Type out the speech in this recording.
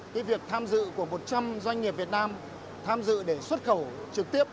cái việc tham dự của một trăm linh doanh nghiệp việt nam tham dự để xuất khẩu trực tiếp